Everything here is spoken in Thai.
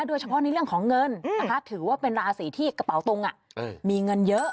โดยเฉพาะในเรื่องของเงินนะคะถือว่าเป็นราศีที่กระเป๋าตรงมีเงินเยอะ